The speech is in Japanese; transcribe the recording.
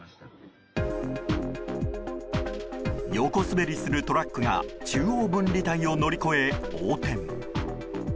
横滑りするトラックが中央分離帯を乗り越え横転。